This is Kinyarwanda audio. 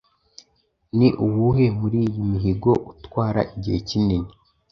Ni uwuhe muri iyo mihinga utwara igihe kinini